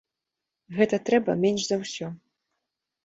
Гэта трэба менш за ўсё.